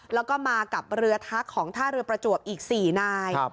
แล้วก็มากับเรือทักของท่าเรือประจวบอีก๔นาย